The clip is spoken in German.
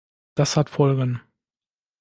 Das hat Folgen.